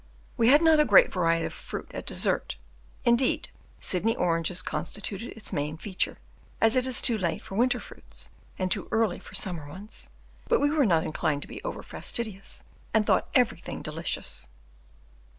We had not a great variety of fruit at dessert: indeed, Sydney oranges constituted its main feature, as it is too late for winter fruits, and too early for summer ones: but we were not inclined to be over fastidious, and thought everything delicious.